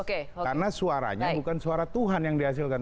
karena suaranya bukan suara tuhan yang dihasilkan